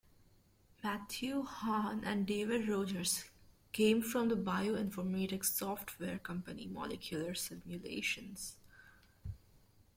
Mathew Hahn and David Rogers came from the bioinformatics software company Molecular Simulations.